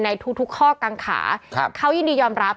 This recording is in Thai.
ในทุกข้อกังขาเขายินดียอมรับ